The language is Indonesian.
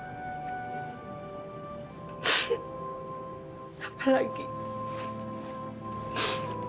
tetangga tetangga kami ini sangat berhormat dengan kami